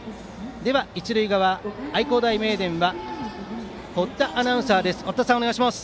では一塁側、愛工大名電は堀田アナウンサーです。